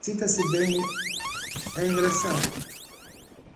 Sinta-se bem e engraçado